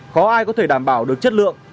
có ai có thể đảm bảo được chất lượng